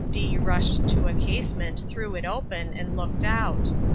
D—— rushed to a casement, threw it open, and looked out.